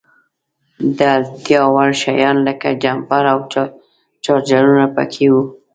د اړتیا وړ شیان لکه جمپر او چارجرونه په کې وو.